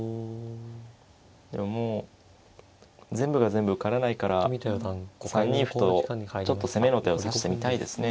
でももう全部が全部受からないから３二歩とちょっと攻めの手を指してみたいですね。